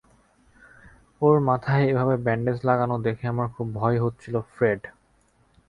ওর মাথায় এভাবে ব্যান্ডেজ লাগানো দেখে আমার খুব ভয় হচ্ছিল ফ্রেড।